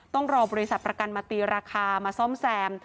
ต้องรอบริษัทประกันมาตีราคามาซ่อมแซม